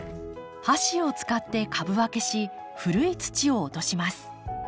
箸を使って株分けし古い土を落とします。